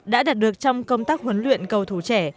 đã đạt được trong công tác huấn luyện cầu thủ trẻ